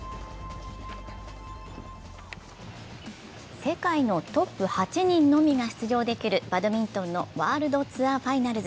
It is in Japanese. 世界のトップ８人のみが出場できるバドミントンのワールドツアーファイナルズ。